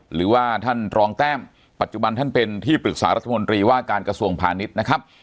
หรือว่าท่านรองแต้มปัจจุบันท่านเป็นที่ปรึกษารัฐมนตรีว่าการกระทรวงพาณิชย์นะครับ